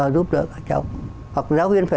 giúp đỡ các cháu hoặc giáo viên phải